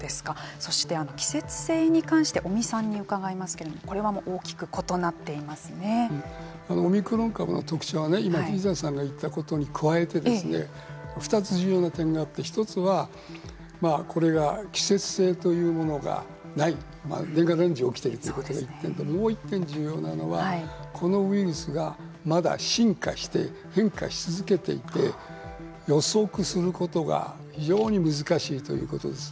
そして、季節性に関して尾身さんに伺いますけれどもオミクロン株の特徴は今、藤谷さんが言ったことに加えて２つ重要な点があって１つはこれは季節性というものがない年がら年中起きているということが１点ともう１点、重要なのはこのウイルスがまだ進化して変化し続けていて予測することが非常に難しいということですね。